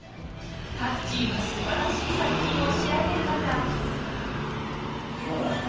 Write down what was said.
各チームすばらしい作品を仕上げる中。